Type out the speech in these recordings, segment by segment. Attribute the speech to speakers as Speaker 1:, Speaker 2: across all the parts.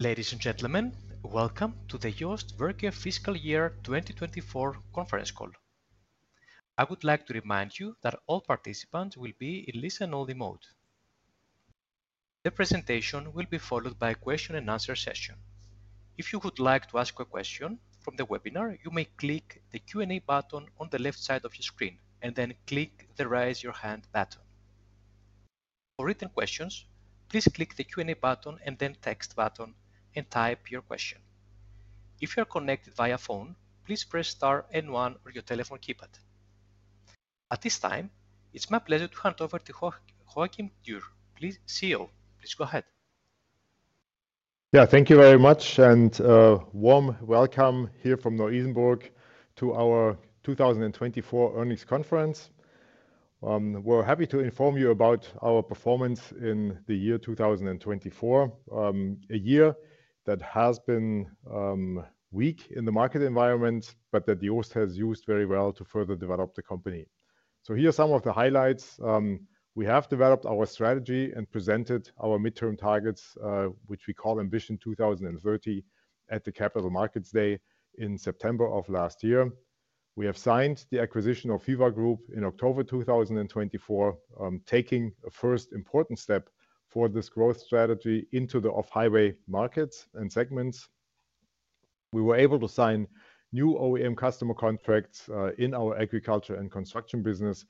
Speaker 1: Ladies and gentlemen, welcome to the JOST Werke FY2024, Conference Call. I would like to remind you that all participants will be in listen-only mode. The presentation will be followed by a question-and-answer session. If you would like to ask a question from the webinar, you may click the Q&A button on the left side of your screen and then click the Raise Your Hand button. For written questions, please click the Q&A button and then text button and type your question. If you are connected via phone, please press Star N1 on your telephone keypad. At this time, it's my pleasure to hand over to Joachim Dürr, CEO. Please go ahead.
Speaker 2: Yeah, thank you very much and a warm welcome here from Neu-Isenburg to our 2024 Earnings Conference. We're happy to inform you about our performance in the year 2024, a year that has been weak in the market environment, but that JOST has used very well to further develop the company. Here are some of the highlights. We have developed our strategy and presented our midterm targets, which we call Ambition 2030, at the Capital Markets Day in September of last year. We have signed the acquisition of Hyva Group in October 2024, taking a first important step for this growth strategy into the off-highway markets and segments. We were able to sign new OEM customer contracts in our agriculture and construction business,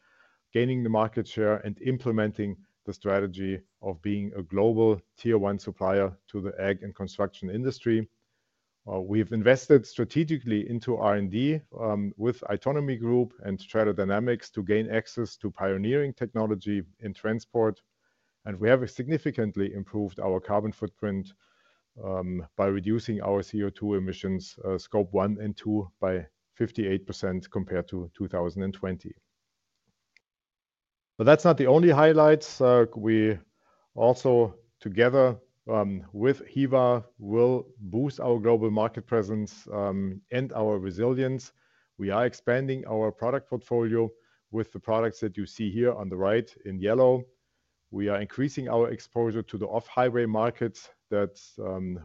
Speaker 2: gaining the market share and implementing the strategy of being a global tier one supplier to the Ag and Construction Industry. We have invested strategically into R&D with Autonomy Group and Trailer Dynamics to gain access to pioneering technology in transport, and we have significantly improved our carbon footprint by reducing our CO2 emissions scope one and two by 58% compared to 2020. That is not the only highlight. We also, together with Hyva, will boost our global market presence and our resilience. We are expanding our product portfolio with the products that you see here on the right in yellow. We are increasing our exposure to the off-highway markets that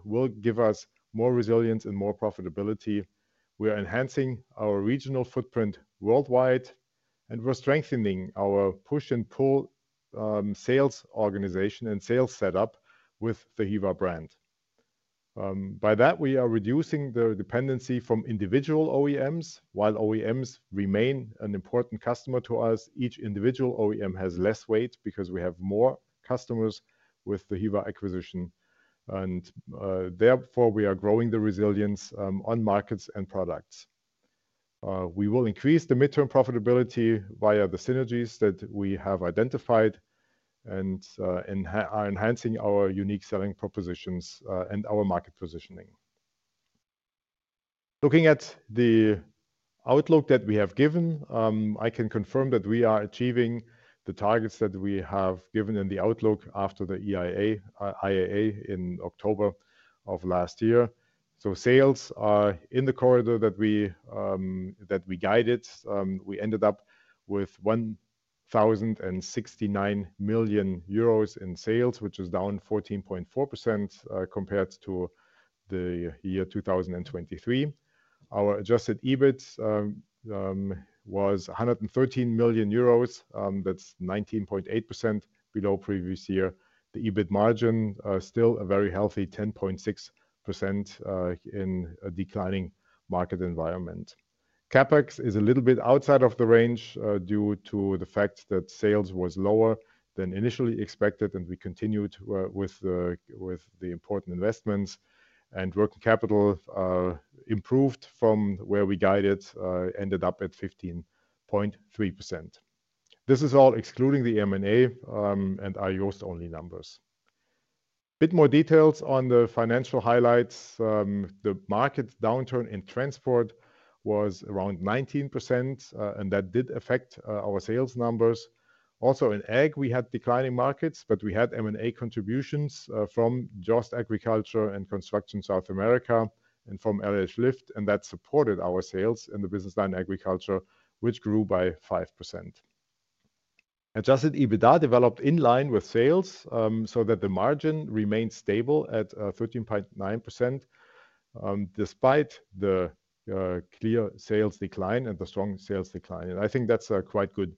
Speaker 2: will give us more resilience and more profitability. We are enhancing our regional footprint worldwide, and we are strengthening our push and pull sales organization and sales setup with the Hyva brand. By that, we are reducing the dependency from individual OEMs. While OEMs remain an important customer to us, each individual OEM has less weight because we have more customers with the Hyva acquisition, and therefore we are growing the resilience on markets and products. We will increase the midterm profitability via the synergies that we have identified and are enhancing our unique selling propositions and our market positioning. Looking at the outlook that we have given, I can confirm that we are achieving the targets that we have given in the outlook after the IAA in October of last year. Sales are in the corridor that we guided. We ended up with 1,069 million euros in sales, which is down 14.4% compared to the year 2023. Our adjusted EBIT was 113 million euros. That's 19.8% below previous year. The EBIT margin is still a very healthy 10.6% in a declining market environment. CapEx is a little bit outside of the range due to the fact that sales was lower than initially expected, and we continued with the important investments, and working capital improved from where we guided and ended up at 15.3%. This is all excluding the M&A and our JOST-only numbers. A bit more details on the financial highlights. The market downturn in transport was around 19%, and that did affect our sales numbers. Also, in Ag, we had declining markets, but we had M&A contributions from JOST Agriculture and Construction South America and from LH Lift, and that supported our sales in the business line agriculture, which grew by 5%. Adjusted EBITDA developed in line with sales so that the margin remained stable at 13.9% despite the clear sales decline and the strong sales decline. I think that's a quite good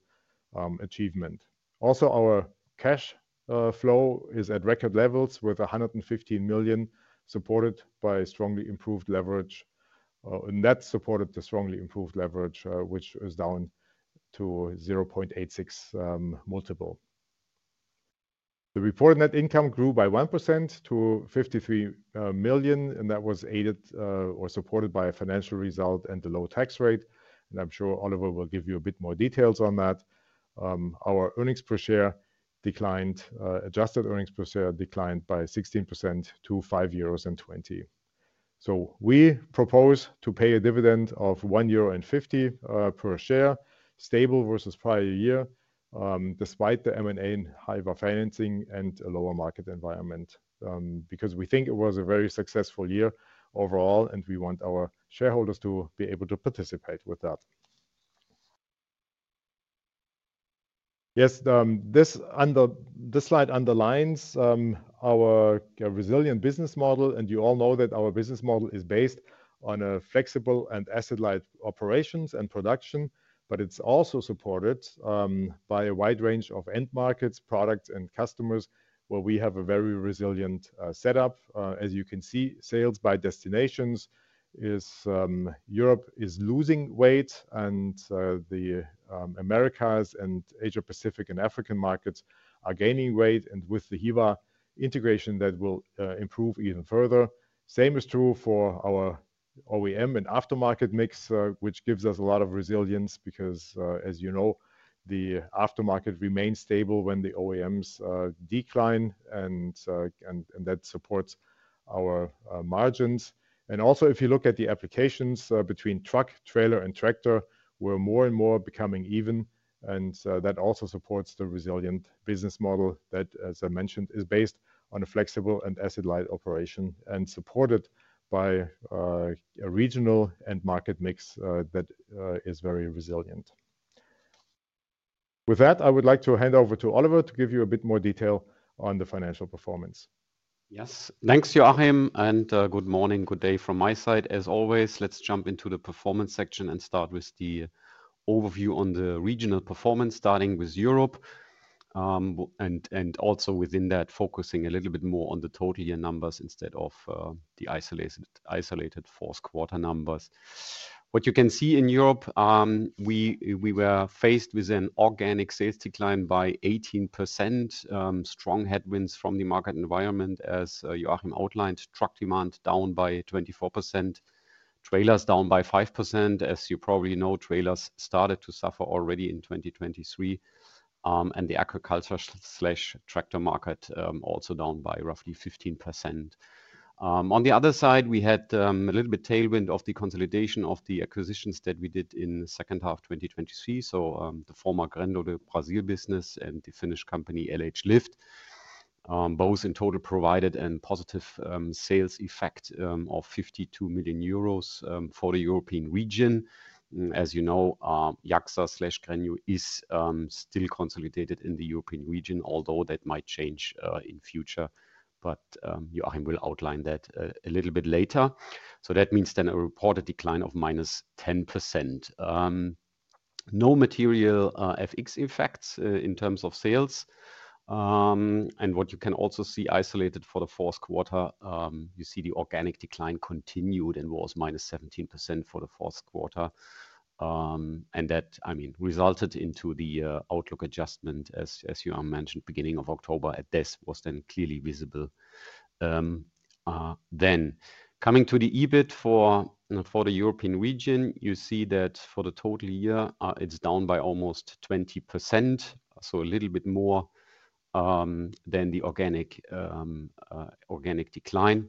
Speaker 2: achievement. Also, our cash flow is at record levels with 115 million supported by strongly improved leverage, and that supported the strongly improved leverage, which is down to 0.86 multiple. The reported net income grew by 1% to 53 million, and that was aided or supported by a financial result and the low tax rate. I am sure Oliver will give you a bit more details on that. Our earnings per share declined, adjusted earnings per share declined by 16% to 5.20 euros. We propose to pay a dividend of 1.50 euro per share, stable versus prior year, despite the M&A and Hyva financing and a lower market environment, because we think it was a very successful year overall, and we want our shareholders to be able to participate with that. Yes, this slide underlines our resilient business model, and you all know that our business model is based on flexible and asset-light operations and production, but it's also supported by a wide range of end markets, products, and customers where we have a very resilient setup. As you can see, sales by destinations is Europe is losing weight, and the Americas and Asia Pacific and African markets are gaining weight, and with the Hyva integration, that will improve even further. Same is true for our OEM and aftermarket mix, which gives us a lot of resilience because, as you know, the aftermarket remains stable when the OEMs decline, and that supports our margins. If you look at the applications between truck, trailer, and tractor, we're more and more becoming even, and that also supports the resilient business model that, as I mentioned, is based on a flexible and asset-light operation and supported by a regional and market mix that is very resilient. With that, I would like to hand over to Oliver to give you a bit more detail on the financial performance.
Speaker 3: Yes, thanks, Joachim, and good morning, good day from my side. As always, let's jump into the performance section and start with the overview on the regional performance, starting with Europe and also within that, focusing a little bit more on the total year numbers instead of the isolated Q4 numbers. What you can see in Europe, we were faced with an organic sales decline by 18%, strong headwinds from the market environment, as Joachim outlined, truck demand down by 24%, trailers down by 5%. As you probably know, trailers started to suffer already in 2023, and the agriculture/tractor market also down by roughly 15%. On the other side, we had a little bit of tailwind of the consolidation of the acquisitions that we did in the second half of 2023. The former Grendel de Brasil business and the Finnish company LH Lift, both in total provided a positive sales effect of 52 million euros for the European region. As you know, JAXA/Grenew is still consolidated in the European region, although that might change in future, but Joachim will outline that a little bit later. That means then a reported decline of -10%. No material FX effects in terms of sales. What you can also see isolated for the Q4, you see the organic decline continued and was -17% for the Q4. That, I mean, resulted into the outlook adjustment, as you mentioned, beginning of October, and this was then clearly visible. Coming to the EBIT for the European region, you see that for the total year, it's down by almost 20%, so a little bit more than the organic decline.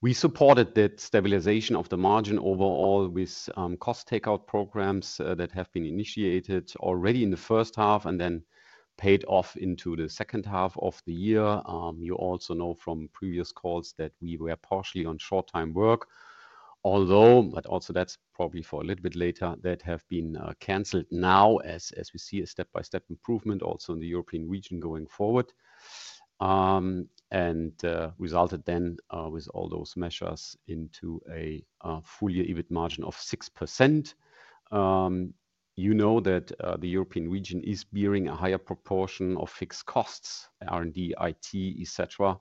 Speaker 3: We supported that stabilization of the margin overall with cost takeout programs that have been initiated already in the first half and then paid off into the second half of the year. You also know from previous calls that we were partially on short-time work, although, but also that's probably for a little bit later, that has been canceled now as we see a step-by-step improvement also in the European region going forward and resulted then with all those measures into a full year EBIT margin of 6%. You know that the European region is bearing a higher proportion of fixed costs, R&D, IT, et cetera,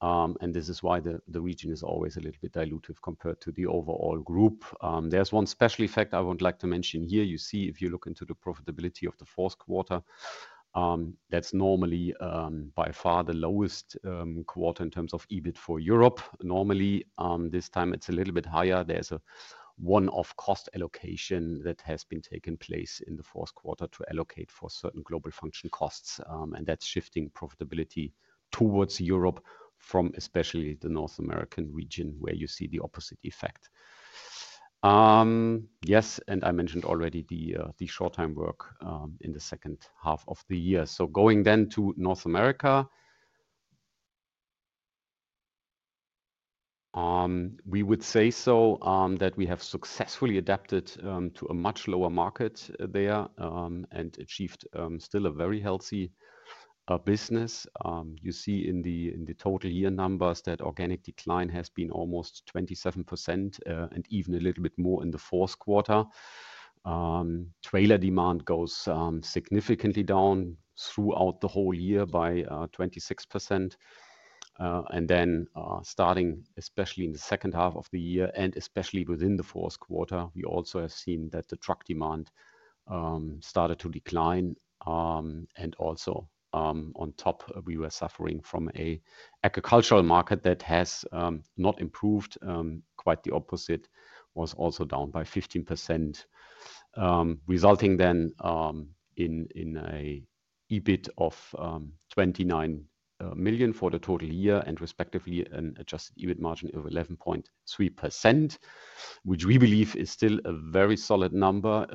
Speaker 3: and this is why the region is always a little bit diluted compared to the overall group. There's one special effect I would like to mention here. You see, if you look into the profitability of the Q4, that's normally by far the lowest quarter in terms of EBIT for Europe. Normally, this time it's a little bit higher. There's a one-off cost allocation that has been taken place in the Q4 to allocate for certain global function costs, and that's shifting profitability towards Europe from especially the North American region where you see the opposite effect. Yes, I mentioned already the short-time work in the second half of the year. Going then to North America, we would say that we have successfully adapted to a much lower market there and achieved still a very healthy business. You see in the total year numbers that organic decline has been almost 27% and even a little bit more in the Q4. Trailer demand goes significantly down throughout the whole year by 26%. Starting especially in the second half of the year and especially within the Q4, we also have seen that the truck demand started to decline. Also on top, we were suffering from an agricultural market that has not improved. Quite the opposite was also down by 15%, resulting then in an EBIT of 29 million for the total year and respectively an adjusted EBIT margin of 11.3%, which we believe is still a very solid number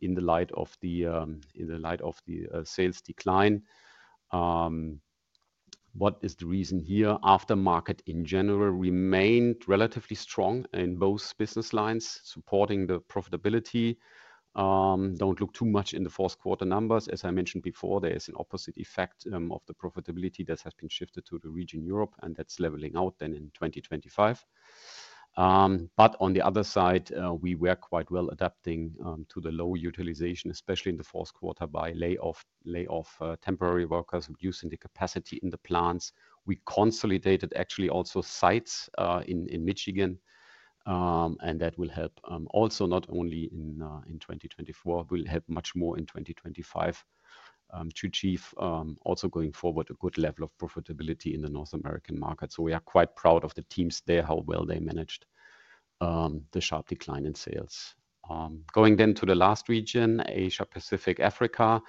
Speaker 3: in the light of the sales decline. What is the reason here? Aftermarket in general remained relatively strong in both business lines, supporting the profitability. Do not look too much in the Q4 numbers. As I mentioned before, there is an opposite effect of the profitability that has been shifted to the region Europe, and that is leveling out then in 2025. On the other side, we were quite well adapting to the low utilization, especially in the Q4 by layoff temporary workers, reducing the capacity in the plants. We consolidated actually also sites in Michigan, and that will help also not only in 2024, will help much more in 2025 to achieve also going forward a good level of profitability in the North American market. We are quite proud of the teams there, how well they managed the sharp decline in sales. Going then to the last region, Asia Pacific, Africa,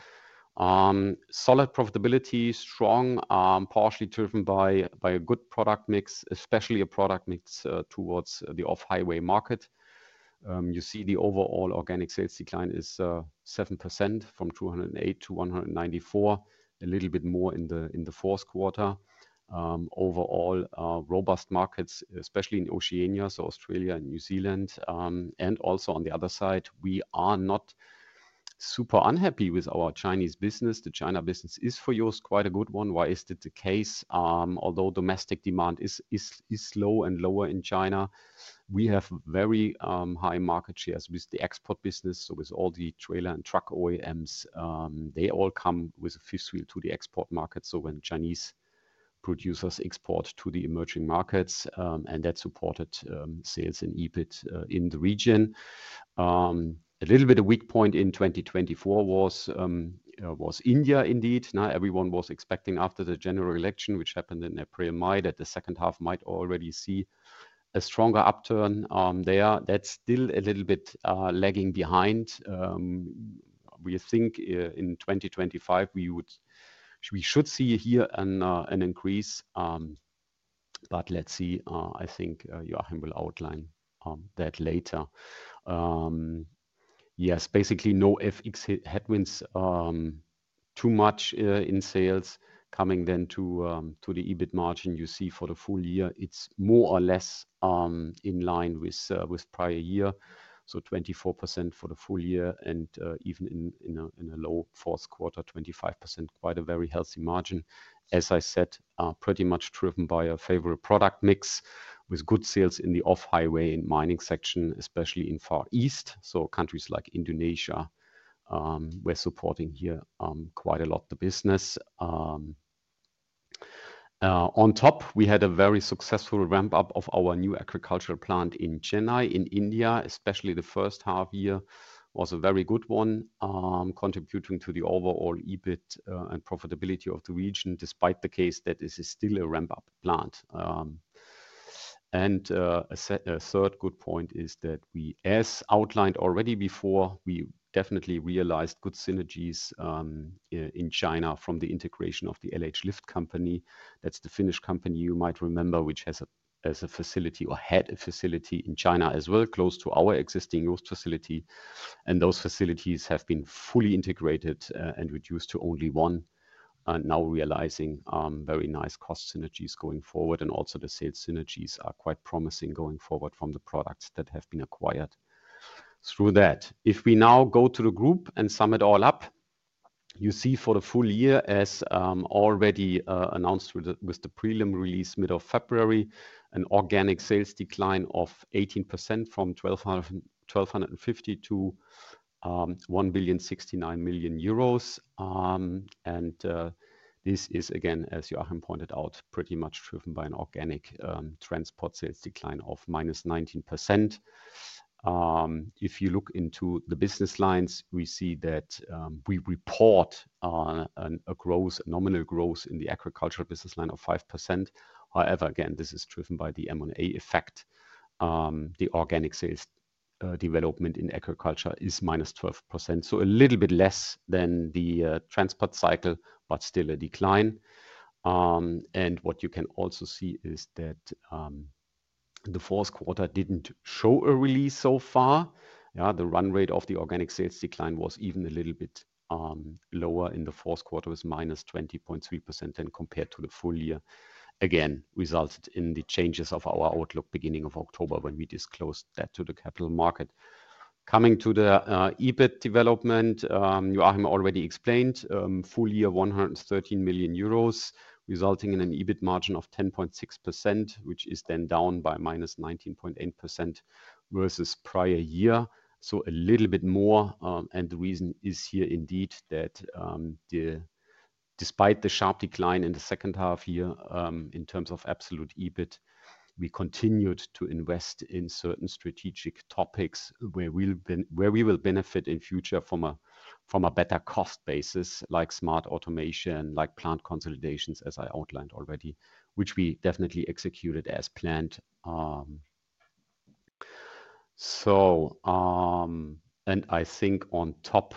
Speaker 3: solid profitability, strong, partially driven by a good product mix, especially a product mix towards the off-highway market. You see the overall organic sales decline is 7% from 208 million to 194 million, a little bit more in the Q4. Overall, robust markets, especially in Oceania, so Australia and New Zealand, and also on the other side, we are not super unhappy with our Chinese Business. The China business is, for JOST, quite a good one. Why is that the case? Although domestic demand is low and lower in China, we have very high market shares with the export business. With all the trailer and truck OEMs, they all come with a fifth wheel to the export market. When Chinese producers export to the emerging markets, that supported sales and EBIT in the region. A little bit of weak point in 2024 was India, indeed. Now everyone was expecting after the general election, which happened in April, May that the second half might already see a stronger upturn there. That's still a little bit lagging behind. We think in 2025 we should see here an increase, but let's see. I think Joachim will outline that later. Yes, basically no FX headwinds too much in sales coming then to the EBIT margin. You see for the full year, it's more or less in line with prior year, so 24% for the full year and even in a low Q4, 25%, quite a very healthy margin. As I said, pretty much driven by a favorable product mix with good sales in the off-highway and mining section, especially in Far East. Countries like Indonesia were supporting here quite a lot the business. On top, we had a very successful ramp-up of our new agricultural plant in Chennai in India, especially the first half year was a very good one, contributing to the overall EBIT and profitability of the region despite the case that it is still a ramp-up plant. A third good point is that we, as outlined already before, we definitely realized good synergies in China from the integration of the LH Lift company. That is the Finnish company you might remember, which has a facility or had a facility in China as well close to our existing JOST facility. Those facilities have been fully integrated and reduced to only one, now realizing very nice cost synergies going forward. Also the sales synergies are quite promising going forward from the products that have been acquired through that. If we now go to the group and sum it all up, you see for the full year, as already announced with the prelim release mid of February, an organic sales decline of 18% from 1,250 million euros to EUR 1,069 million. This is again, as Joachim pointed out, pretty much driven by an organic transport sales decline of minus 19%. If you look into the business lines, we see that we report a growth, nominal growth in the agricultural business line of 5%. However, again, this is driven by the M&A effect. The organic sales development in agriculture is minus 12%, so a little bit less than the transport cycle, but still a decline. What you can also see is that the Q4 did not show a release so far. The run rate of the organic sales decline was even a little bit lower in the Q4 with minus 20.3% than compared to the full year. Again, resulted in the changes of our outlook beginning of October when we disclosed that to the capital market. Coming to the EBIT development, Joachim already explained, full year 113 million euros, resulting in an EBIT margin of 10.6%, which is then down by minus 19.8% versus prior year. A little bit more. The reason is here indeed that despite the sharp decline in the second half year in terms of absolute EBIT, we continued to invest in certain strategic topics where we will benefit in future from a better cost basis like smart automation, like plant consolidations, as I outlined already, which we definitely executed as planned. I think on top,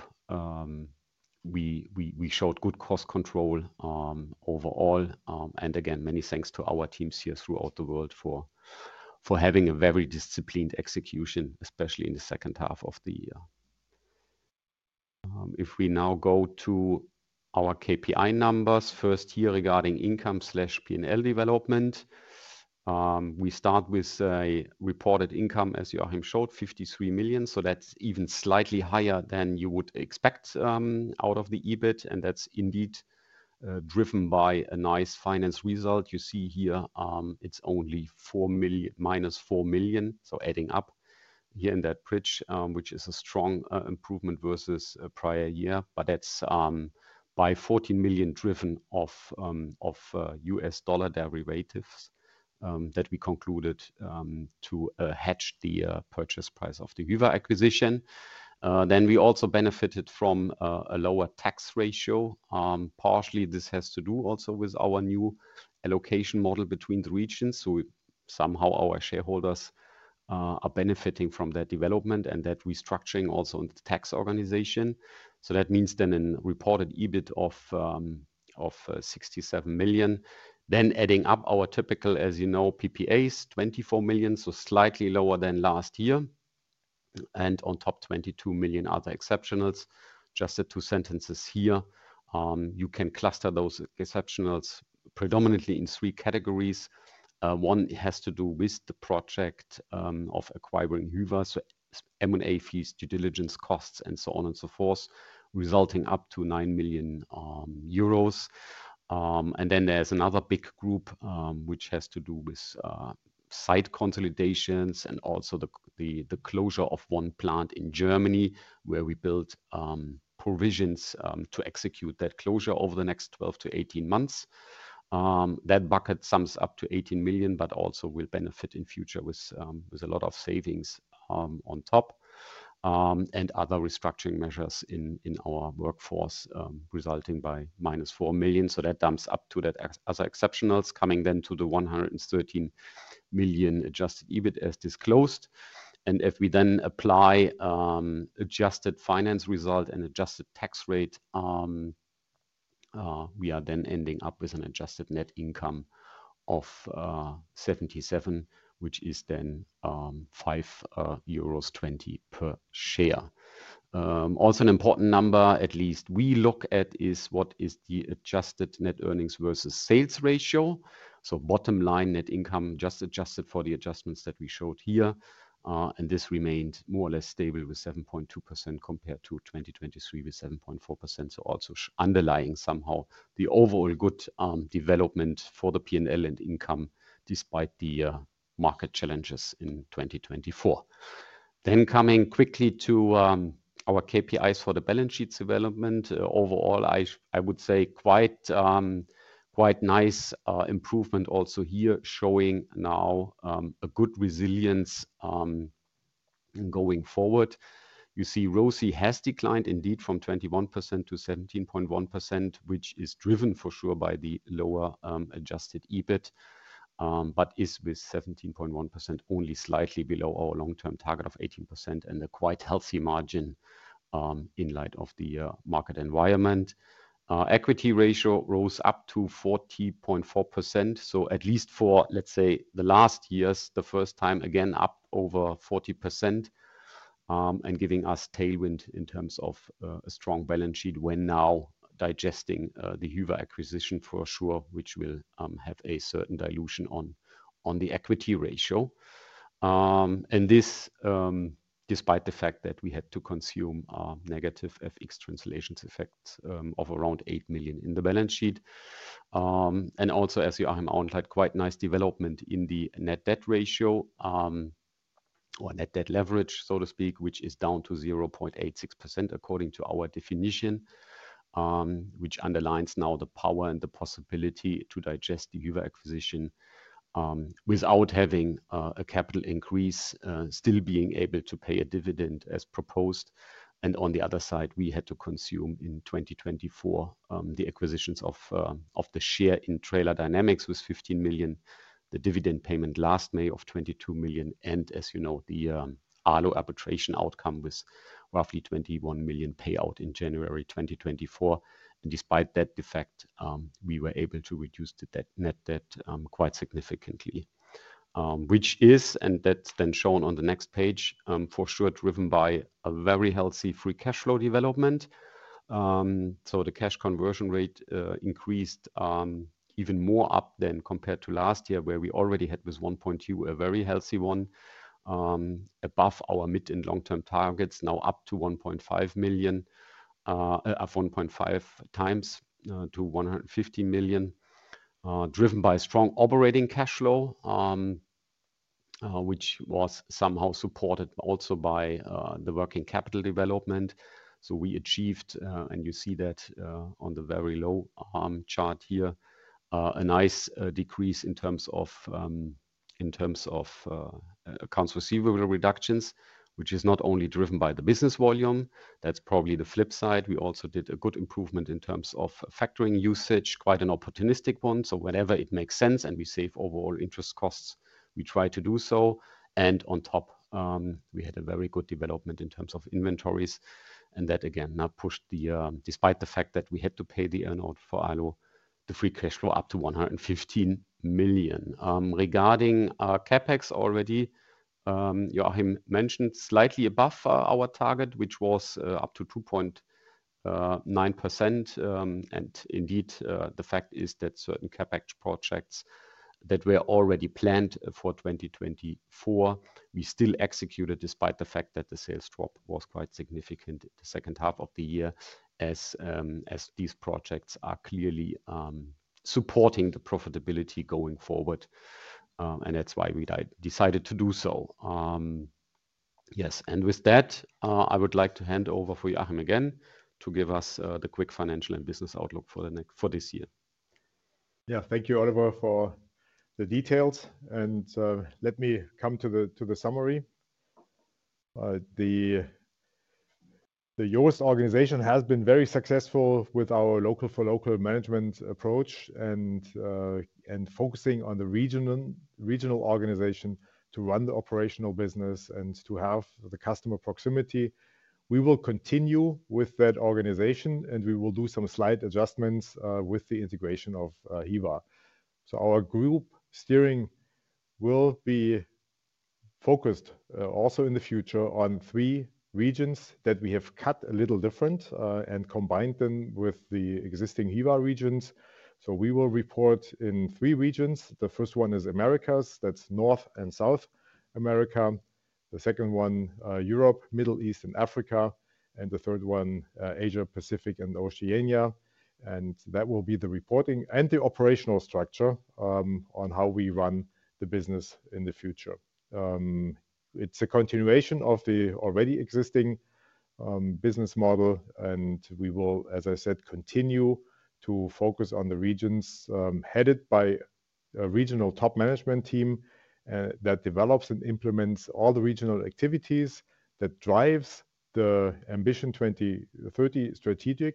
Speaker 3: we showed good cost control overall. Again, many thanks to our teams here throughout the world for having a very disciplined execution, especially in the second half of the year. If we now go to our KPI numbers first here regarding income/P&L development, we start with reported income, as Joachim showed, 53 million. That is even slightly higher than you would expect out of the EBIT. That is indeed driven by a nice finance result. You see here, it is only minus 4 million. Adding up here in that bridge, which is a strong improvement versus prior year, but that is by 14 million driven of US dollar derivatives that we concluded to hedge the purchase price of the Hyva acquisition. We also benefited from a lower tax ratio. Partially, this has to do also with our new allocation model between the regions. Somehow our shareholders are benefiting from that development and that restructuring also in the tax organization. That means then a reported EBIT of 67 million. Adding up our typical, as you know, PPAs, 24 million, so slightly lower than last year. On top, 22 million other exceptionals. Just the two sentences here, you can cluster those exceptionals predominantly in three categories. One has to do with the project of acquiring Hyva, so M&A fees, due diligence costs, and so on and so forth, resulting up to 9 million euros. There is another big group which has to do with site consolidations and also the closure of one plant in Germany where we built provisions to execute that closure over the next 12-18 months. That bucket sums up to 18 million, but also will benefit in future with a lot of savings on top and other restructuring measures in our workforce resulting by minus 4 million. That sums up to that other exceptionals coming then to the 113 million adjusted EBIT as disclosed. If we then apply adjusted finance result and adjusted tax rate, we are then ending up with an adjusted net income of 77 million, which is then 5.20 euros per share. Also an important number, at least we look at, is what is the adjusted net earnings versus sales ratio. Bottom line net income just adjusted for the adjustments that we showed here. This remained more or less stable with 7.2% compared to 2023 with 7.4%. Also underlying somehow the overall good development for the P&L and income despite the market challenges in 2024. Coming quickly to our KPIs for the balance sheet development, overall, I would say quite nice improvement also here showing now a good resilience going forward. You see ROSI has declined indeed from 21% to 17.1%, which is driven for sure by the lower adjusted EBIT, but is with 17.1% only slightly below our long-term target of 18% and a quite healthy margin in light of the market environment. Equity ratio rose up to 40.4%. At least for, let's say, the last years, the first time again up over 40% and giving us tailwind in terms of a strong balance sheet when now digesting the Hyva acquisition for sure, which will have a certain dilution on the equity ratio. This is despite the fact that we had to consume negative FX translations effect of around 8 million in the balance sheet. Also, as Joachim outlined, quite nice development in the net debt ratio or net debt leverage, so to speak, which is down to 0.86% according to our definition, which underlines now the power and the possibility to digest the Hyva acquisition without having a capital increase, still being able to pay a dividend as proposed. On the other side, we had to consume in 2024 the acquisitions of the share in Trailer Dynamics was 15 million, the dividend payment last May of 22 million. As you know, the Arlo arbitration outcome was roughly 21 million payout in January 2024. Despite that effect, we were able to reduce the net debt quite significantly, which is, and that is then shown on the next page for sure, driven by a very healthy free cash flow development. The cash conversion rate increased even more up then compared to last year where we already had with 1.2 a very healthy one above our mid and long-term targets, now up to 1.5 million, up 1.5 times to 150 million, driven by strong operating cash flow, which was somehow supported also by the working capital development. We achieved, and you see that on the very low chart here, a nice decrease in terms of accounts receivable reductions, which is not only driven by the business volume. That's probably the flip side. We also did a good improvement in terms of factoring usage, quite an opportunistic one. Whenever it makes sense and we save overall interest costs, we try to do so. On top, we had a very good development in terms of inventories. That again now pushed the, despite the fact that we had to pay the earnout for Arlo, the free cash flow up to 115 million. Regarding CapEx already, Joachim mentioned slightly above our target, which was up to 2.9%. Indeed, the fact is that certain CapEx projects that were already planned for 2024, we still executed despite the fact that the sales drop was quite significant in the second half of the year as these projects are clearly supporting the profitability going forward. That is why we decided to do so. Yes. With that, I would like to hand over for Joachim again to give us the quick financial and business outlook for this year.
Speaker 2: Thank you, Oliver, for the details. Let me come to the summary. The JOST organization has been very successful with our local for local management approach and focusing on the regional organization to run the operational business and to have the customer proximity. We will continue with that organization and we will do some slight adjustments with the integration of Hyva. Our group steering will be focused also in the future on three regions that we have cut a little different and combined them with the existing Hyva Regions. We will report in three regions. The first one is Americas, that's North and South America. The second one, Europe, Middle East, and Africa. The third one, Asia Pacific and Oceania. That will be the reporting and the operational structure on how we run the business in the future. It's a continuation of the already existing business model. We will, as I said, continue to focus on the regions headed by a regional top management team that develops and implements all the regional activities that drives the Ambition 2030 strategic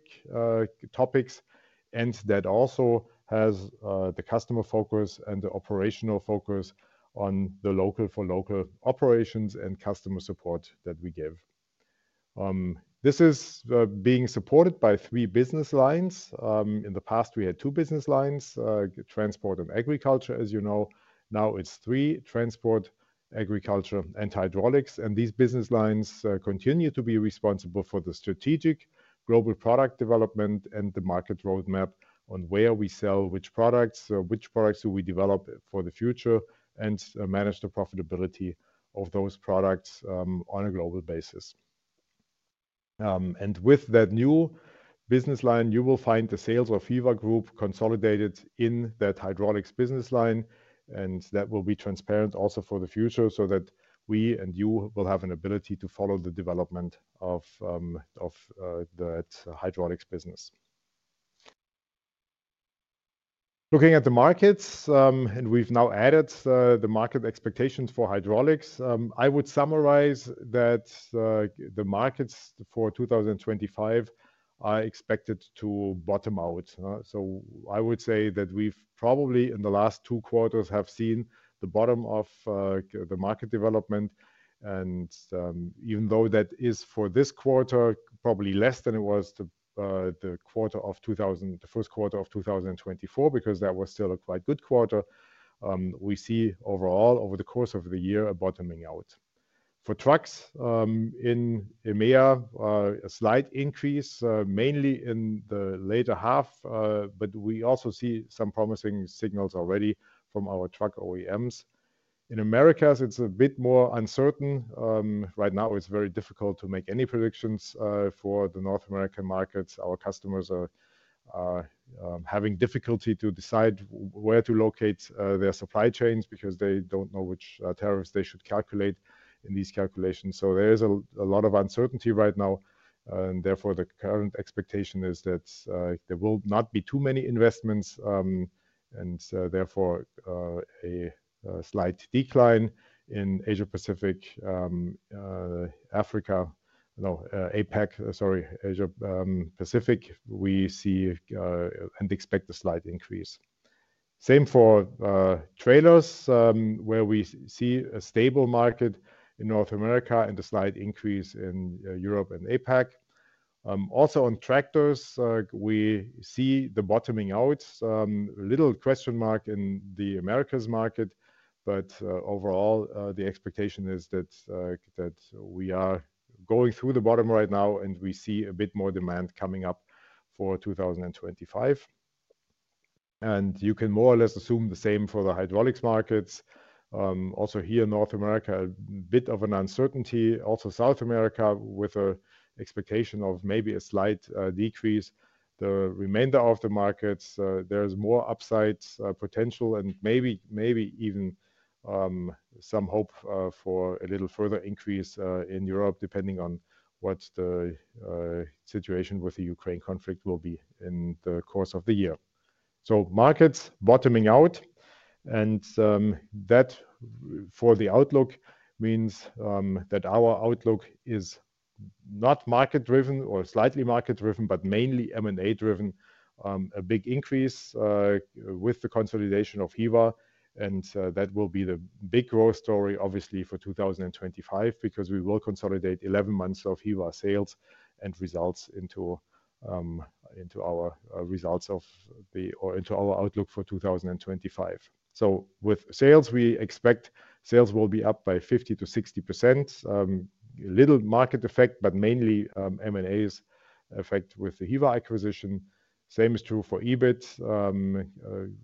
Speaker 2: topics. That also has the customer focus and the operational focus on the local for local operations and customer support that we give. This is being supported by three business lines. In the past, we had two business lines, transport and agriculture, as you know. Now it is three, transport, agriculture, and hydraulics. These business lines continue to be responsible for the strategic global product development and the market roadmap on where we sell which products, which products do we develop for the future, and manage the profitability of those products on a global basis. With that new business line, you will find the sales of Hyva Group consolidated in that hydraulics business line. That will be transparent also for the future so that we and you will have an ability to follow the development of that hydraulics business. Looking at the markets, and we've now added the market expectations for hydraulics, I would summarize that the markets for 2025 are expected to bottom out. I would say that we've probably in the last two quarters have seen the bottom of the market development. Even though that is for this quarter probably less than it was the Q1 of 2024, because that was still a quite good quarter, we see overall over the course of the year a bottoming out. For trucks in EMEA, a slight increase mainly in the later half, but we also see some promising signals already from our truck OEMs. In Americas, it's a bit more uncertain. Right now, it's very difficult to make any predictions for the North American markets. Our customers are having difficulty to decide where to locate their supply chains because they don't know which tariffs they should calculate in these calculations. There is a lot of uncertainty right now. Therefore, the current expectation is that there will not be too many investments. Therefore, a slight decline in Asia Pacific, Africa, no, APAC, sorry, Asia Pacific, we see and expect a slight increase. Same for trailers where we see a stable market in North America and a slight increase in Europe and APAC. Also on tractors, we see the bottoming out. Little question mark in the Americas market, but overall, the expectation is that we are going through the bottom right now and we see a bit more demand coming up for 2025. You can more or less assume the same for the hydraulics markets. Also here, North America, a bit of an uncertainty. Also South America with an expectation of maybe a slight decrease. The remainder of the markets, there is more upside potential and maybe even some hope for a little further increase in Europe depending on what the situation with the Ukraine conflict will be in the course of the year. Markets bottoming out. That for the outlook means that our outlook is not market-driven or slightly market-driven, but mainly M&A-driven. A big increase with the consolidation of Hyva. That will be the big growth story, obviously, for 2025 because we will consolidate 11 months of Hyva sales and results into our results or into our outlook for 2025. With sales, we expect sales will be up by 50-60%. Little market effect, but mainly M&A's effect with the Hyva acquisition. Same is true for EBIT.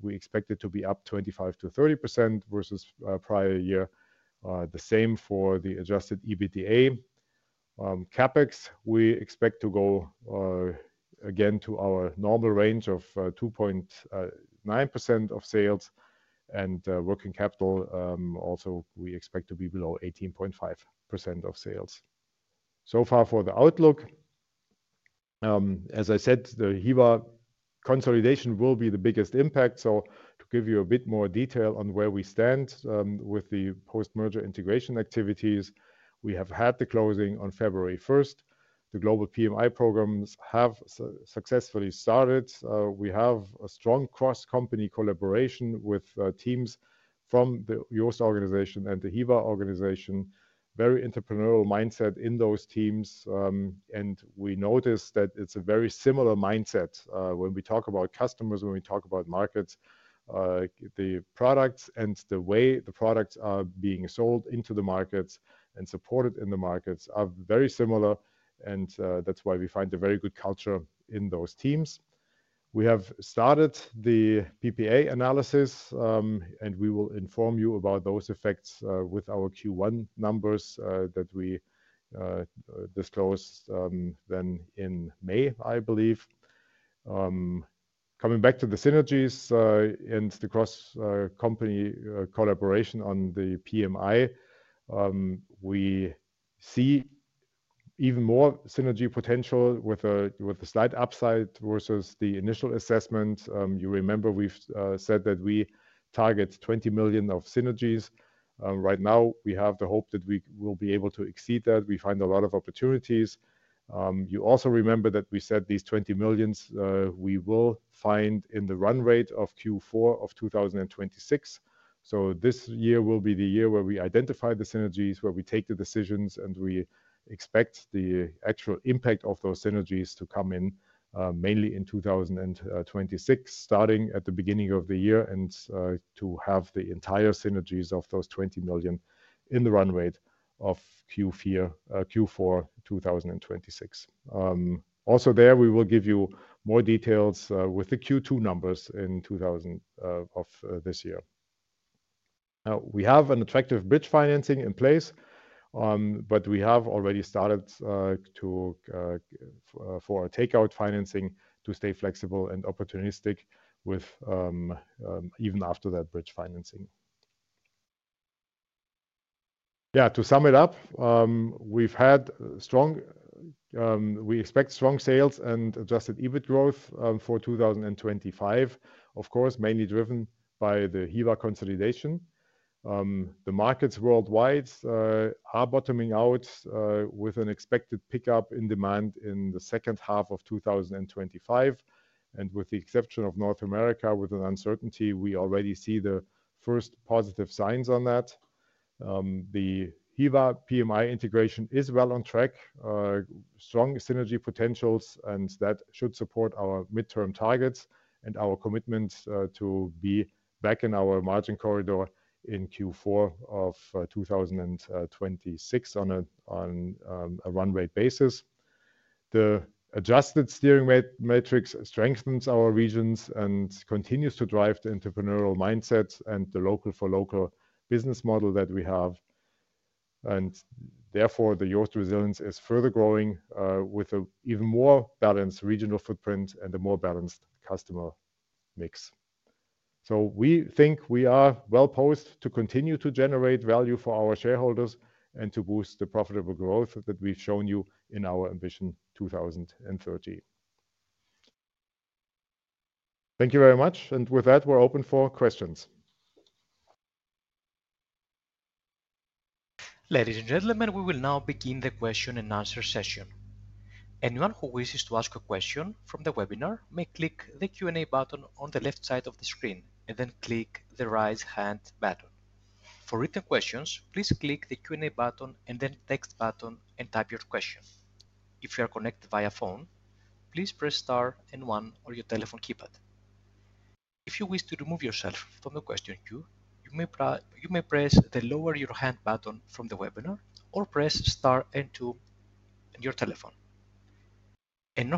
Speaker 2: We expect it to be up 25-30% versus prior year. The same for the adjusted EBITDA. CapEx, we expect to go again to our normal range of 2.9% of sales and working capital. Also we expect to be below 18.5% of sales. For the outlook, as I said, the Hyva consolidation will be the biggest impact. To give you a bit more detail on where we stand with the post-merger integration activities, we have had the closing on 1 February. The global PMI programs have successfully started. We have a strong cross-company collaboration with teams from the JOST organization and the Hyva organization. Very entrepreneurial mindset in those teams. We notice that it's a very similar mindset when we talk about customers, when we talk about markets. The products and the way the products are being sold into the markets and supported in the markets are very similar. That is why we find a very good culture in those teams. We have started the PPA analysis and we will inform you about those effects with our Q1 numbers that we disclose then in May, I believe. Coming back to the synergies and the cross-company collaboration on the PMI, we see even more synergy potential with a slight upside versus the initial assessment. You remember we have said that we target 20 million of synergies. Right now, we have the hope that we will be able to exceed that. We find a lot of opportunities. You also remember that we said these 20 million we will find in the run rate of Q4 of 2026. This year will be the year where we identify the synergies, where we take the decisions and we expect the actual impact of those synergies to come in mainly in 2026, starting at the beginning of the year and to have the entire synergies of those 20 million in the run rate of Q4 2026. Also there, we will give you more details with the Q2 numbers in of this year. Now, we have an attractive bridge financing in place, but we have already started for our takeout financing to stay flexible and opportunistic even after that bridge financing. Yeah, to sum it up, we've had strong we expect strong sales and adjusted EBIT growth for 2025, of course, mainly driven by the Hyva consolidation. The markets worldwide are bottoming out with an expected pickup in demand in the second half of 2025. With the exception of North America, with an uncertainty, we already see the first positive signs on that. The Hyva PMI integration is well on track, strong synergy potentials, and that should support our midterm targets and our commitment to be back in our margin corridor in Q4 of 2026 on a run rate basis. The adjusted steering rate matrix strengthens our regions and continues to drive the entrepreneurial mindset and the local for local business model that we have. Therefore, the JOST resilience is further growing with an even more balanced regional footprint and a more balanced customer mix. We think we are well posed to continue to generate value for our shareholders and to boost the profitable growth that we've shown you in our Ambition 2030. Thank you very much. With that, we're open for questions.
Speaker 1: Ladies and gentlemen, we will now begin the question and answer session. Anyone who wishes to ask a question from the webinar may click the Q&A button on the left side of the screen and then click the right-hand button. For written questions, please click the Q&A button and then text button and type your question. If you are connected via phone, please press Star and One on your telephone keypad. If you wish to remove yourself from the question queue, you may press the Lower Your Hand button from the webinar or press Star and Two on your telephone. No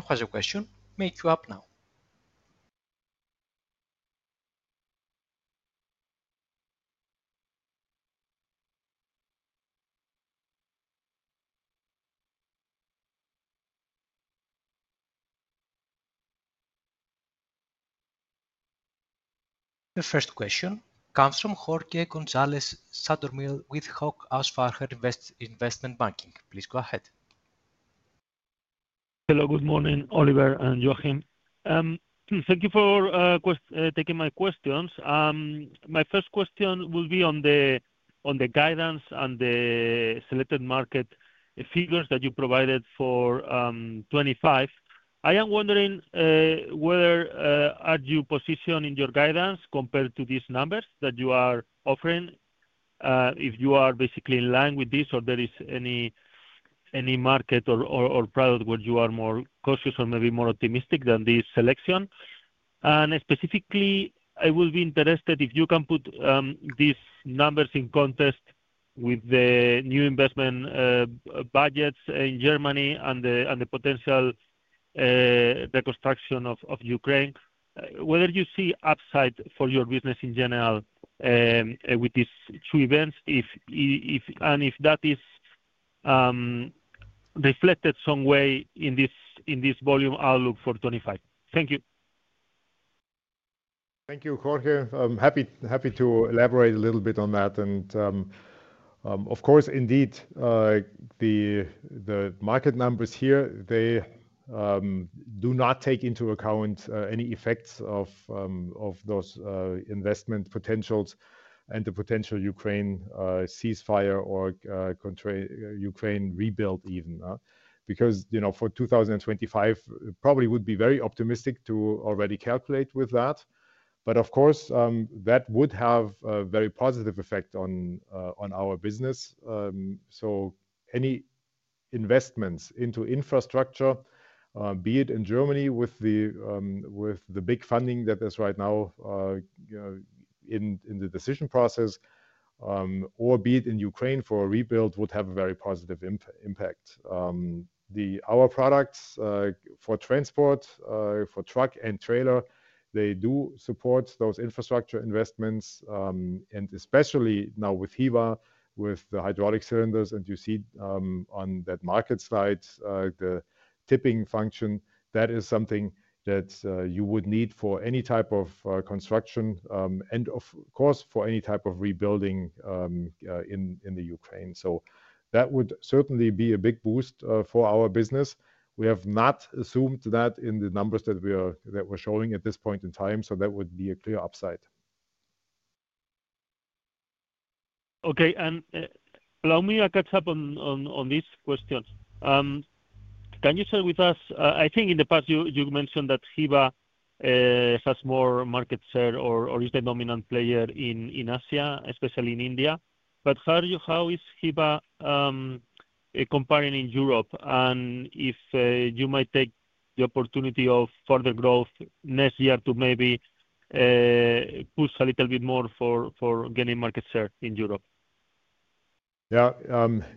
Speaker 1: question may queue up now. The first question comes from Jorge González Sadornil with Hauck Aufhäuser Lampe Privatbank.
Speaker 4: Hello, good morning, Oliver and Joachim. Thank you for taking my questions. My first question will be on the guidance and the selected market figures that you provided for 2025. I am wondering whether your position in your guidance compared to these numbers that you are offering, if you are basically in line with this or there is any market or product where you are more cautious or maybe more optimistic than this selection. Specifically, I would be interested if you can put these numbers in context with the new investment budgets in Germany and the potential reconstruction of Ukraine, whether you see upside for your business in general with these two events and if that is reflected some way in this volume outlook for 2025. Thank you.
Speaker 2: Thank you, Jorge. I'm happy to elaborate a little bit on that. Of course, indeed, the market numbers here do not take into account any effects of those investment potentials and the potential Ukraine ceasefire or Ukraine rebuild even. For 2025, it probably would be very optimistic to already calculate with that. Of course, that would have a very positive effect on our business. Any investments into infrastructure, be it in Germany with the big funding that is right now in the decision process, or be it in Ukraine for a rebuild, would have a very positive impact. Our products for transport, for truck and trailer, do support those infrastructure investments, and especially now with Hyva, with the hydraulic cylinders. You see on that market slide, the tipping function is something that you would need for any type of construction and, of course, for any type of rebuilding in Ukraine.That would certainly be a big boost for our business. We have not assumed that in the numbers that we are showing at this point in time. That would be a clear upside.
Speaker 4: Okay. Allow me a catch-up on these questions. Can you share with us, I think in the past, you mentioned that Hyva has more market share or is the dominant player in Asia, especially in India. How is Hyva comparing in Europe? If you might take the opportunity of further growth next year to maybe push a little bit more for gaining market share in Europe.
Speaker 2: Yeah,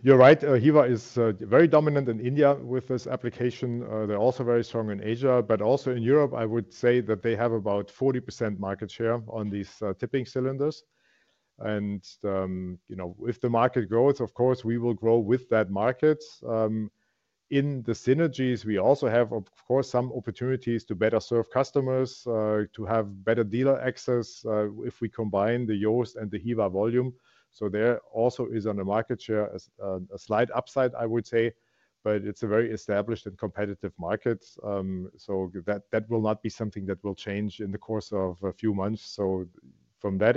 Speaker 2: you're right. Hyva is very dominant in India with this application. They're also very strong in Asia, but also in Europe, I would say that they have about 40% market share on these tipping cylinders. If the market grows, of course, we will grow with that market. In the synergies, we also have, of course, some opportunities to better serve customers, to have better dealer access if we combine the JOST and the Hyva volume. There also is on the market share a slight upside, I would say, but it is a very established and competitive market. That will not be something that will change in the course of a few months. From that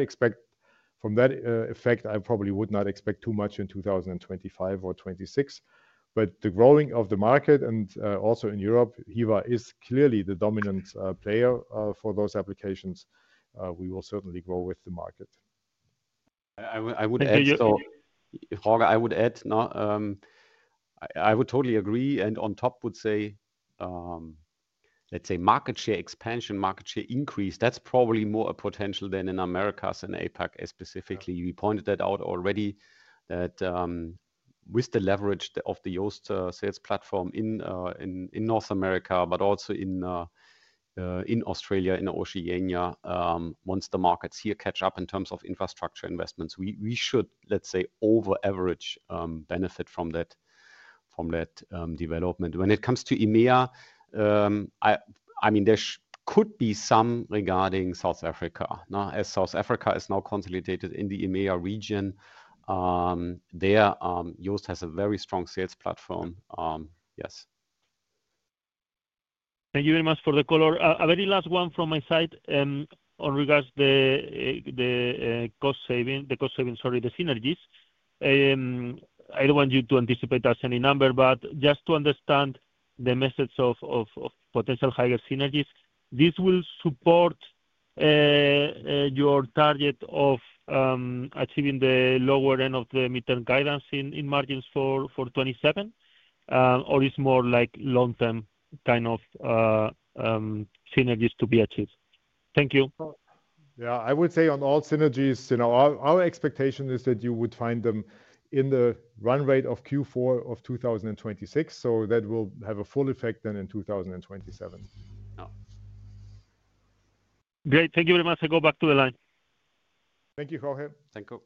Speaker 2: effect, I probably would not expect too much in 2025 or 2026. The growing of the market and also in Europe, Hyva is clearly the dominant player for those applications. We will certainly grow with the market.
Speaker 3: I would add, so Jorge, I would add, I would totally agree. On top would say, let's say market share expansion, market share increase. That's probably more a potential than in Americas and APAC specifically. We pointed that out already that with the leverage of the JOST sales platform in North America, but also in Australia, in Oceania, once the markets here catch up in terms of infrastructure investments, we should, let's say, over-average benefit from that development. When it comes to EMEA, I mean, there could be some regarding South Africa. As South Africa is now consolidated in the EMEA region, JOST has a very strong sales platform. Yes.
Speaker 4: Thank you very much for the call. A very last one from my side on regards the cost saving, the cost saving, sorry, the synergies. I don't want you to anticipate us any number, but just to understand the message of potential higher synergies, this will support your target of achieving the lower end of the midterm guidance in margins for 2027, or it's more like long-term kind of synergies to be achieved? Thank you.
Speaker 2: Yeah, I would say on all synergies, our expectation is that you would find them in the run rate of Q4 of 2026. So that will have a full effect then in 2027.
Speaker 4: Great. Thank you very much. I go back to the line.
Speaker 2: Thank you, Jorge.
Speaker 4: Thank you.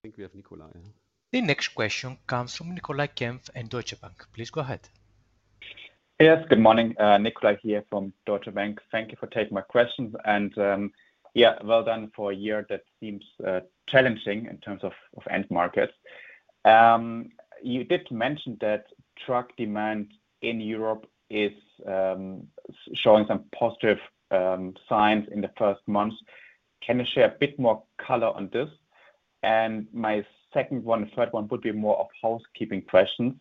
Speaker 3: I think we have Nikolai.
Speaker 1: The next question comes from Nicolai Kempf and Deutsche Bank. Please go ahead.
Speaker 5: Yes, good morning. Nikolai here from Deutsche Bank. Thank you for taking my question. And yeah, well done for a year that seems challenging in terms of end markets. You did mention that truck demand in Europe is showing some positive signs in the first months. Can you share a bit more color on this? My second one, third one would be more of housekeeping questions.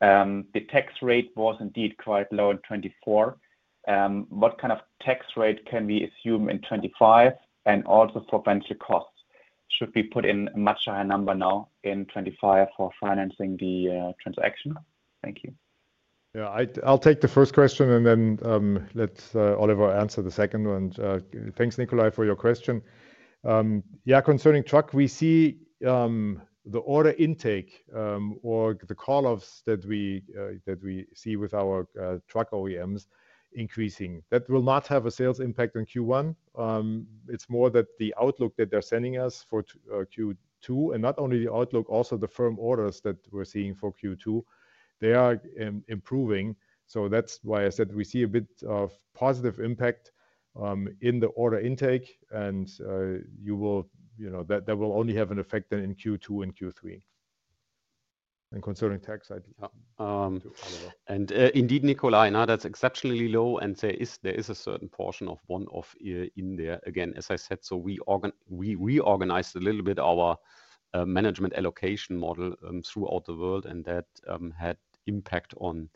Speaker 5: The tax rate was indeed quite low in 2024. What kind of tax rate can we assume in 2025? Also for venture costs, should we put in a much higher number now in 2025 for financing the transaction? Thank you.
Speaker 2: Yeah, I'll take the first question and then let Oliver answer the second one. Thanks, Nikolai, for your question. Yeah, concerning truck, we see the order intake or the call-offs that we see with our truck OEMs increasing. That will not have a sales impact on Q1. It's more that the outlook that they're sending us for Q2, and not only the outlook, also the firm orders that we're seeing for Q2, they are improving. That is why I said we see a bit of positive impact in the order intake. That will only have an effect then in Q2 and Q3. Concerning tax.
Speaker 3: Indeed, Nikolai, now that's exceptionally low. There is a certain portion of one-off in there. Again, as I said, we reorganized a little bit our management allocation model throughout the world. That had impact on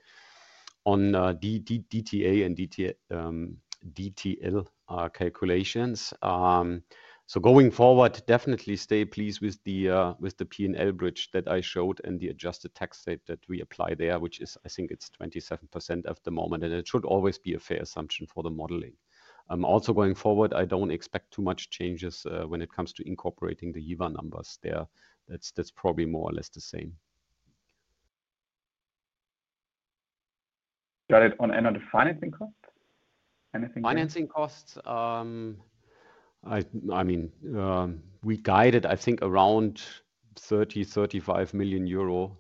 Speaker 3: DTA and DTL calculations. Going forward, definitely stay pleased with the P&L bridge that I showed and the adjusted tax rate that we apply there, which is, I think it's 27% at the moment. It should always be a fair assumption for the modeling. Also going forward, I don't expect too much changes when it comes to incorporating the Hyva numbers there. That's probably more or less the same.
Speaker 5: Got it. And on the financing cost? Anything?
Speaker 3: Financing costs, I mean, we guided, I think, around 30 million-35 million euro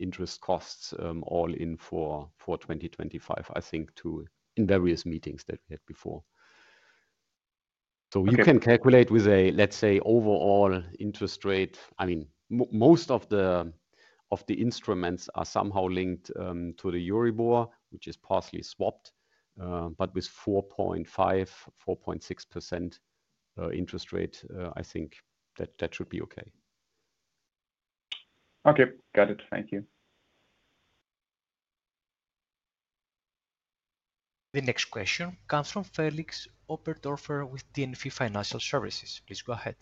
Speaker 3: interest costs all in for 2025, I think, in various meetings that we had before. You can calculate with a, let's say, overall interest rate. I mean, most of the instruments are somehow linked to the Euribor, which is partially swapped, but with 4.5%-4.6% interest rate, I think that should be okay.
Speaker 5: Okay, got it. Thank you.
Speaker 1: The next question comes from Felix Oberdorfer with D&F Financial Services. Please go ahead.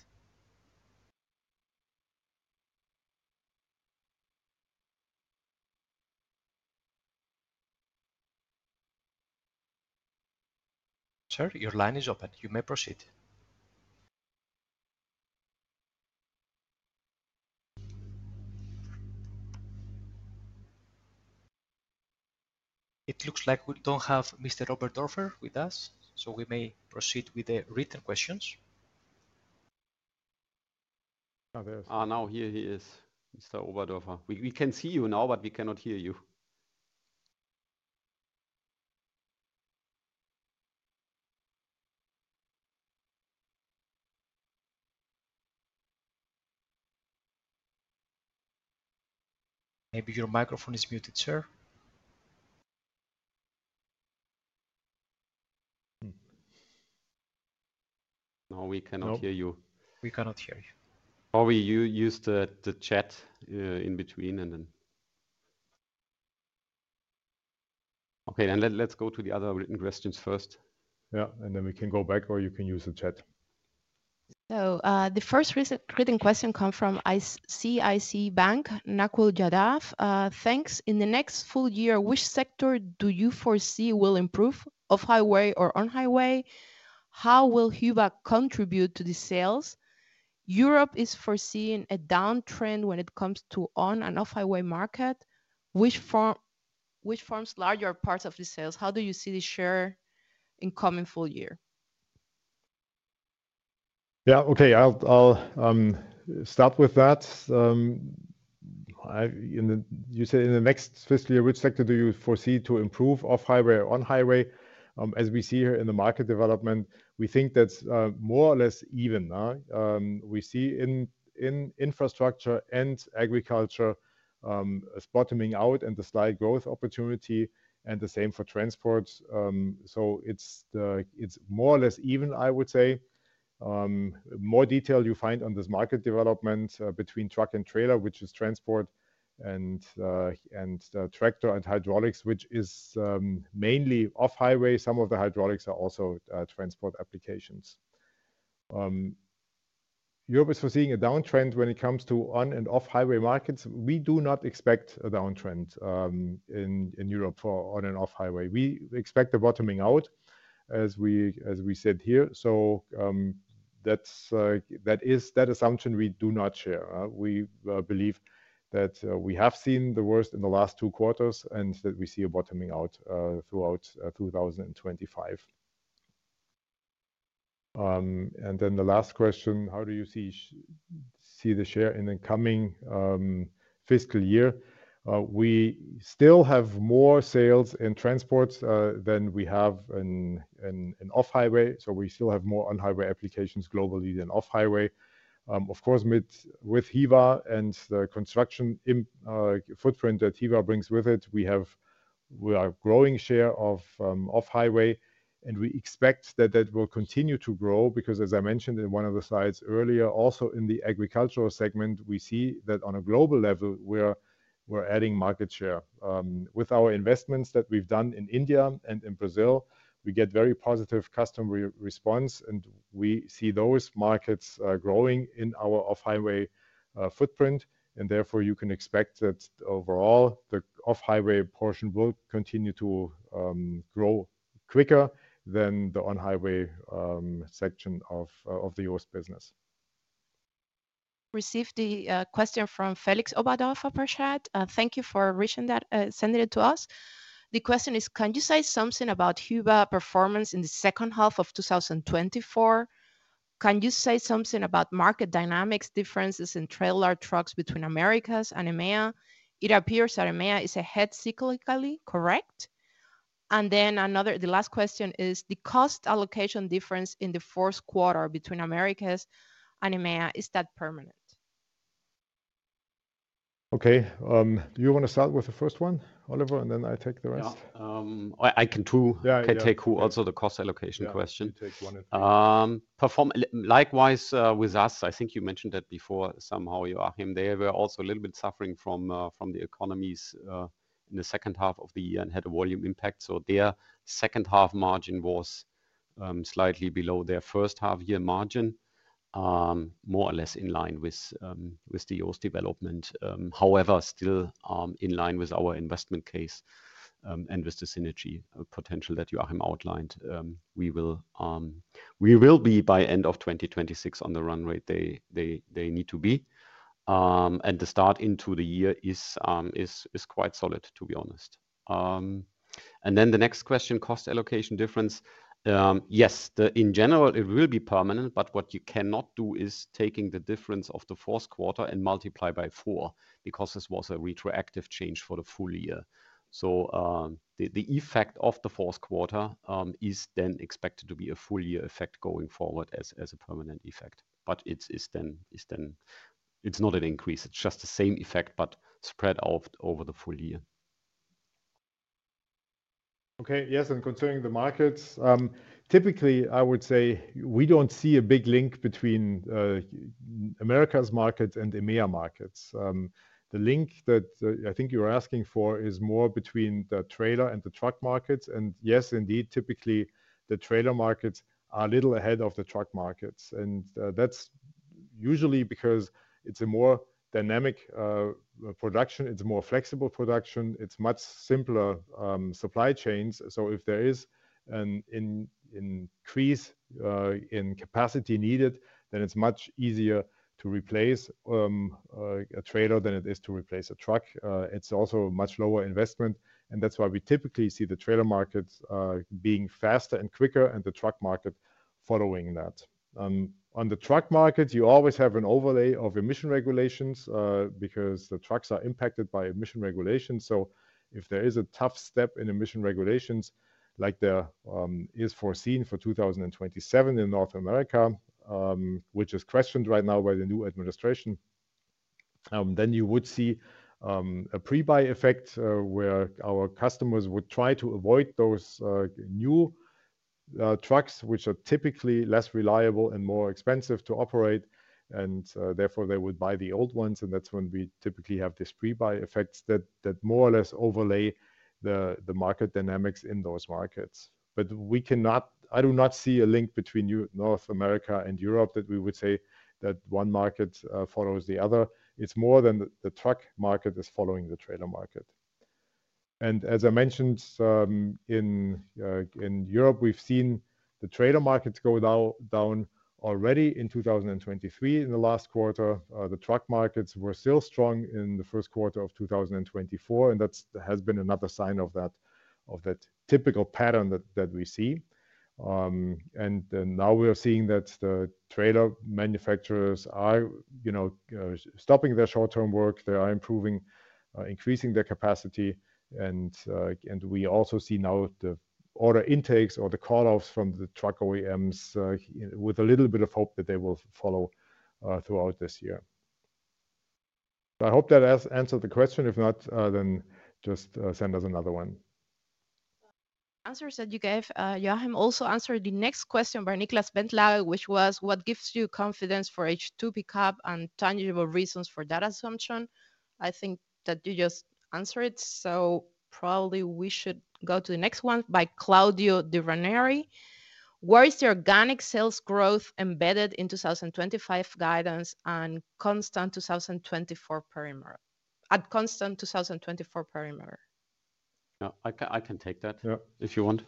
Speaker 1: Sir, your line is open. You may proceed. It looks like we don't have Mr. Oberdorfer with us, so we may proceed with the written questions.
Speaker 3: Now here he is, Mr. Oberdorfer. We can see you now, but we cannot hear you.
Speaker 1: Maybe your microphone is muted, sir.
Speaker 3: No, we cannot hear you. We cannot hear you. We use the chat in between and then. Okay, let's go to the other written questions first.
Speaker 2: Yeah, and then we can go back or you can use the chat. The first written question comes from ICICI Bank, Nakul Yadav. Thanks. In the next full year, which sector do you foresee will improve, off-highway or on-highway? How will Hyva contribute to the sales? Europe is foreseeing a downtrend when it comes to on- and off-highway market. Which forms larger parts of the sales? How do you see the share in coming full year? Yeah, okay, I'll start with that. You said in the next fiscal year, which sector do you foresee to improve, off-highway or on-highway? As we see here in the market development, we think that's more or less even. We see in infrastructure and agriculture spotting out and the slight growth opportunity and the same for transport. It is more or less even, I would say. More detail you find on this market development between truck and trailer, which is transport, and tractor and hydraulics, which is mainly off-highway. Some of the hydraulics are also transport applications. Europe is foreseeing a downtrend when it comes to on- and off-highway markets. We do not expect a downtrend in Europe for on- and off-highway. We expect a bottoming out, as we said here. That assumption, we do not share. We believe that we have seen the worst in the last two quarters and that we see a bottoming out throughout 2025. The last question, how do you see the share in the coming fiscal year? We still have more sales in transport than we have in off-highway. We still have more on-highway applications globally than off-highway. Of course, with Hyva and the construction footprint that Hyva brings with it, we have a growing share of off-highway. We expect that that will continue to grow because, as I mentioned in one of the slides earlier, also in the agricultural segment, we see that on a global level, we're adding market share. With our investments that we've done in India and in Brazil, we get very positive customer response. We see those markets growing in our off-highway footprint. Therefore, you can expect that overall, the off-highway portion will continue to grow quicker than the on-highway section of the US business. Received the question from Felix Oberdorfer per chat. Thank you for sending it to us. The question is, can you say something about Hyva performance in the second half of 2024? Can you say something about market dynamics, differences in trailer trucks between Americas and EMEA? It appears that EMEA is ahead cyclically, correct? The last question is, the cost allocation difference in the Q4 between Americas and EMEA, is that permanent? Okay, do you want to start with the first one, Oliver, and then I take the rest?
Speaker 3: Yeah, I can too take also the cost allocation question. Likewise with us, I think you mentioned that before somehow you are him there. We're also a little bit suffering from the economies in the second half of the year and had a volume impact. Their second half margin was slightly below their first half year margin, more or less in line with the US development. However, still in line with our investment case and with the synergy potential that you outlined, we will be by end of 2026 on the run rate they need to be. The start into the year is quite solid, to be honest. The next question, cost allocation difference. Yes, in general, it will be permanent, but what you cannot do is taking the difference of the Q4 and multiply by four because this was a retroactive change for the full year. The effect of the Q4 is then expected to be a full year effect going forward as a permanent effect. It is not an increase. It is just the same effect, but spread out over the full year.
Speaker 2: Okay, yes, and concerning the markets, typically, I would say we do not see a big link between Americas markets and EMEA markets. The link that I think you are asking for is more between the trailer and the truck markets. Yes, indeed, typically, the trailer markets are a little ahead of the truck markets. That is usually because it is a more dynamic production. It is a more flexible production. It is much simpler supply chains. If there is an increase in capacity needed, then it is much easier to replace a trailer than it is to replace a truck. It is also a much lower investment. That is why we typically see the trailer markets being faster and quicker and the truck market following that. On the truck market, you always have an overlay of emission regulations because the trucks are impacted by emission regulations. If there is a tough step in emission regulations, like there is foreseen for 2027 in North America, which is questioned right now by the new administration, you would see a pre-buy effect where our customers would try to avoid those new trucks, which are typically less reliable and more expensive to operate. Therefore, they would buy the old ones. That is when we typically have this pre-buy effect that more or less overlays the market dynamics in those markets. I do not see a link between North America and Europe that we would say that one market follows the other. It is more that the truck market is following the trailer market. As I mentioned, in Europe, we have seen the trailer markets go down already in 2023. In the last quarter, the truck markets were still strong in the Q1 of 2024. That has been another sign of that typical pattern that we see. Now we're seeing that the trailer manufacturers are stopping their short-term work. They are improving, increasing their capacity. We also see now the order intakes or the call-offs from the truck OEMs with a little bit of hope that they will follow throughout this year. I hope that answered the question. If not, then just send us another one. Answer said you gave. Joachim also answered the next question by Niklas Bentlage, which was, what gives you confidence for H2 Pickup and tangible reasons for that assumption? I think that you just answered it. Probably we should go to the next one by Claudio Di Ranieri. Where is the organic sales growth embedded in 2025 guidance and constant 2024 perimeter?
Speaker 3: I can take that if you want.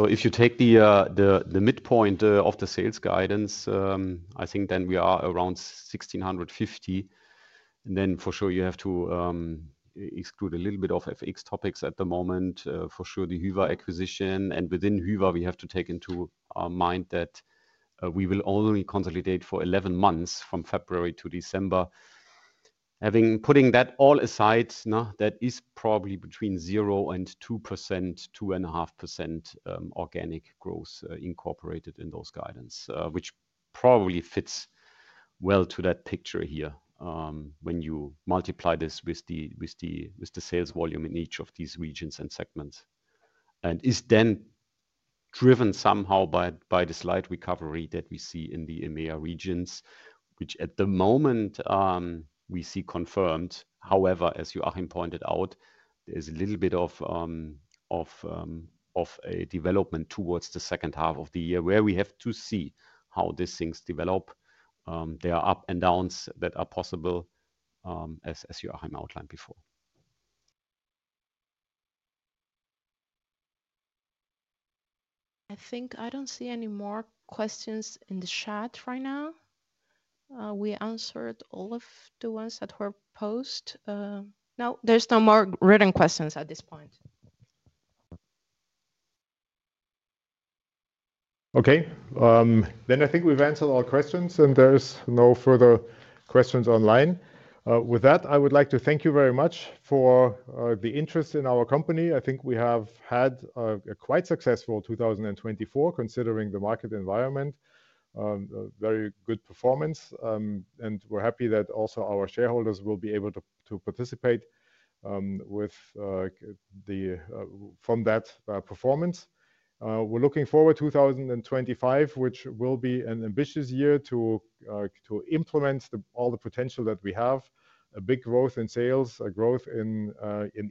Speaker 3: If you take the midpoint of the sales guidance, I think then we are around 1,650. For sure, you have to exclude a little bit of FX topics at the moment. For sure, the Hyva acquisition. Within Hyva, we have to take into mind that we will only consolidate for 11 months from February to December. Putting that all aside, that is probably between 0-2%, 2.5% organic growth incorporated in those guidance, which probably fits well to that picture here when you multiply this with the sales volume in each of these regions and segments. It is then driven somehow by the slight recovery that we see in the EMEA regions, which at the moment we see confirmed. However, as Joachim pointed out, there's a little bit of a development towards the second half of the year where we have to see how these things develop. There are up and downs that are possible, as Joachim outlined before. I think I don't see any more questions in the chat right now. We answered all of the ones that were posted. No, there's no more written questions at this point.
Speaker 2: Okay, I think we've answered all questions and there's no further questions online. With that, I would like to thank you very much for the interest in our company. I think we have had a quite successful 2024 considering the market environment. Very good performance. We're happy that also our shareholders will be able to participate from that performance. We're looking forward to 2025, which will be an ambitious year to implement all the potential that we have. A big growth in sales, a growth in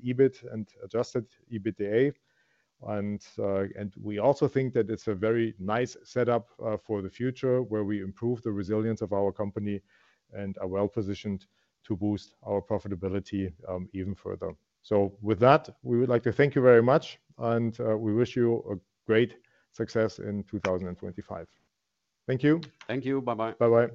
Speaker 2: EBIT and adjusted EBITDA. We also think that it's a very nice setup for the future where we improve the resilience of our company and are well positioned to boost our profitability even further. With that, we would like to thank you very much and we wish you great success in 2025. Thank you.
Speaker 3: Thank you. Bye-bye.
Speaker 2: Bye-bye.